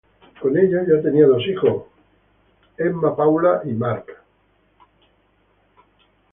Con ella ya tenía dos hijos, Emma Paula y Mark.